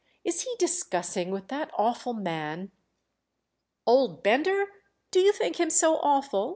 "Is he discussing with that awful man?" "Old Bender? Do you think him so awful?"